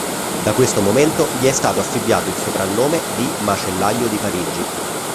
Da questo momento, gli è stato affibbiato il soprannome di "macellaio di parigi".